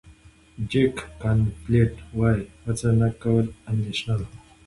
جک کانفیلډ وایي هڅه نه کول اندېښنه ده.